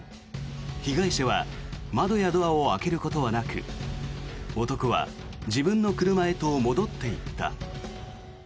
被害者は窓やドアを開けることはなく男は自分の車へと戻っていった。